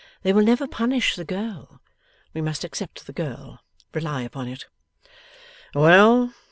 They will never punish the girl. We must accept the girl, rely upon it.' 'Well!